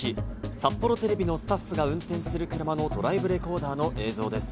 札幌テレビのスタッフが運転する車のドライブレコーダーの映像です。